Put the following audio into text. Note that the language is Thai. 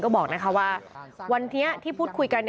บอกว่าวันนี้ที่พูดคุยกัน